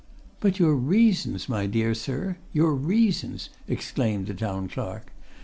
"But your reasons, my dear sir, your reasons!" exclaimed the Town Clerk.